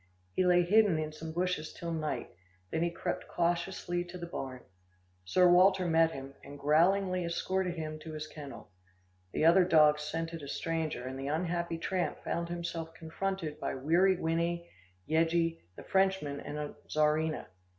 He lay hidden in some bushes till night, then he crept cautiously to the barn. Sir Walter met him, and growlingly escorted him to his kennel. The other dogs scented a stranger, and the unhappy tramp found himself confronted by Weary Winnie, Yeggie, the Frenchmen and Czarina.